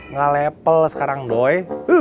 ngelepel sekarang doi